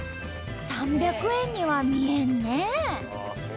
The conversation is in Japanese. ３００円には見えんねえ！